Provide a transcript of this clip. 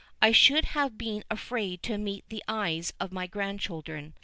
I should have been afraid to meet the eyes of my grandchildren.